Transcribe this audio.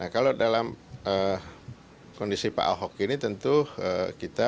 kalau dalam kondisi pak ahok ini